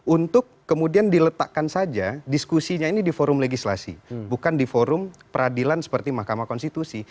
untuk kemudian diletakkan saja diskusinya ini di forum legislasi bukan di forum peradilan seperti mahkamah konstitusi